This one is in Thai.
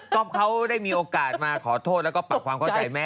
ก็เขาได้มีโอกาสมาขอโทษแล้วก็ปรับความเข้าใจแม่